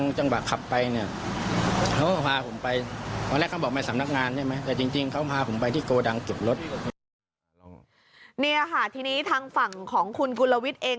นี่ค่ะทีนี้ทางฝั่งของคุณกุลวิทย์เอง